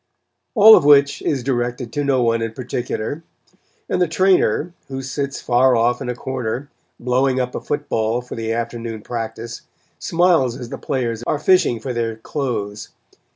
All of which is directed to no one in particular, and the Trainer, who sits far off in a corner, blowing up a football for the afternoon practice, smiles as the players are fishing for their clothes.